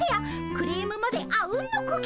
クレームまであうんの呼吸。